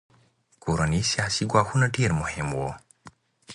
کورني سیاسي ګواښونه ډېر مهم وو.